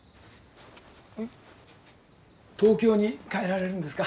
東京に帰られるんですか？